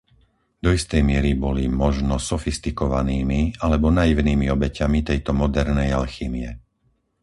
Do istej miery boli možno sofistikovanými alebo naivnými obeťami tejto modernej alchýmie.